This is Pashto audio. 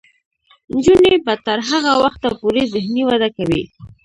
نجونې به تر هغه وخته پورې ذهني وده کوي.